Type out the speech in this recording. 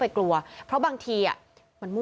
ไปกลัวว่าบางทีอยาก๑